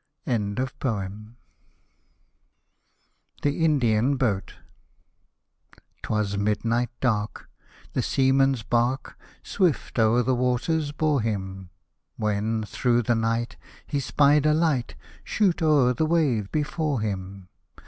Hosted by Google THE INDIAN BOAT 105 THE INDIAN BOAT 'TwAS midnight dark, The seaman's bark, Swift o'er the waters bore him, When, through the night. He spied a light Shoot o'er the wave before him.